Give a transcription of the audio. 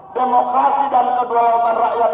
demokrasi dan kedaulatan rakyat